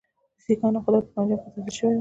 د سیکهانو قدرت په پنجاب کې تاسیس شوی وو.